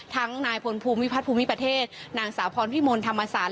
นายพลภูมิพัฒน์ภูมิประเทศนางสาวพรพิมลธรรมศาสต